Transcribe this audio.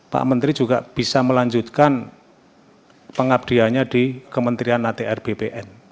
pak menteri juga bisa melanjutkan pengabdiannya di kementerian atr bpn